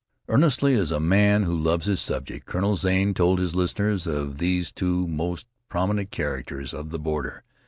Earnestly, as a man who loves his subject, Colonel Zane told his listeners of these two most prominent characters of the border.